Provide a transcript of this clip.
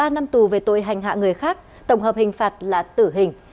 ba năm tù về tội hành hạ người khác tổng hợp hình phạt là tử hình